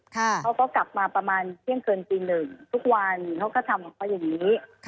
เขาก็กลับมาประมาณเที่ยงเกินตีหนึ่งทุกวันเขาก็ทำของเขาอย่างนี้